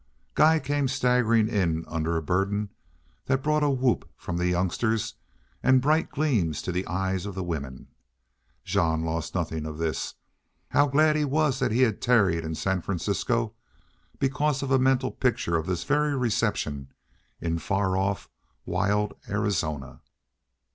Guy came staggering in under a burden that brought a whoop from the youngsters and bright gleams to the eyes of the women. Jean lost nothing of this. How glad he was that he had tarried in San Francisco because of a mental picture of this very reception in far off wild Arizona.